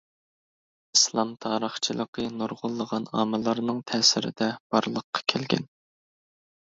ئىسلام تارىخچىلىقى نۇرغۇنلىغان ئامىللارنىڭ تەسىرىدە بارلىققا كەلگەن.